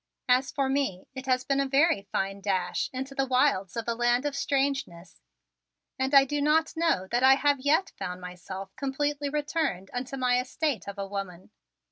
And for me it has been a very fine dash into the wilds of a land of strangeness, and I do not know that I have yet found myself completely returned unto my estate of a woman.